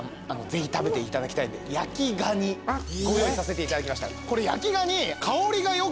ぜひ食べていただきたいんで焼きガニご用意させていただきました。